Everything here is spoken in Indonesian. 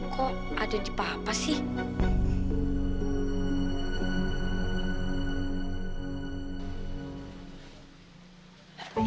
kok ada di papa sih